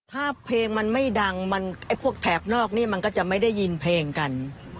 ถ้าเพลงมันไม่ดังมันไอ้พวกแถบนอกนี่มันก็จะไม่ได้ยินเพลงกัน